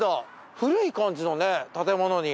古い感じのね建物に。